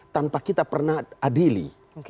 tanpa kita pernah adili